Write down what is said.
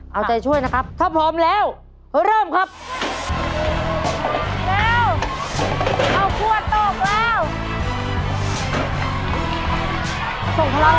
เอาใจช่วยนะครับทำพร้อมแล้วเริ่มครับพ้นเริ่ม